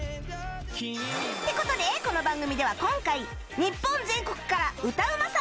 って事でこの番組では今回日本全国から歌うまさんを大募集